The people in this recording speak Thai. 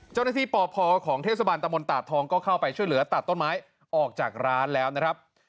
เจ้าหน้าที่ปอบพอบของเทศบันตะบลตาดทองก็เข้าไปช่วยเหลือตัดต้นไม้ออกจากร้านแล้วนะครับ